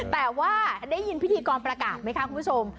แต่ว่าได้ยินพิธีกรประกาศไหมคะคุณผู้ชม